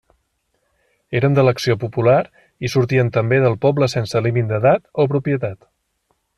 Eren d'elecció popular i sortien també del poble sense límit d'edat o propietat.